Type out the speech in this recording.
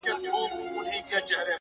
پرمختګ له دوامداره تمرین زېږي،